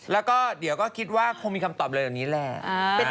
แล้วก็เดี๋ยวก็คิดว่าคงมีคำตอบเลยแบบนี้แหละ